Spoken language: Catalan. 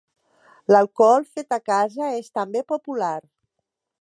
L'alcohol fet a casa és també popular.